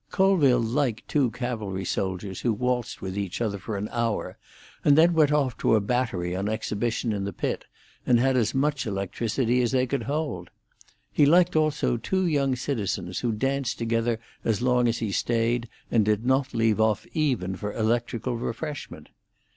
Colville liked two cavalry soldiers who waltzed with each other for an hour, and then went off to a battery on exhibition in the pit, and had as much electricity as they could hold. He liked also two young citizens who danced together as long as he stayed, and did not leave off even for electrical refreshment.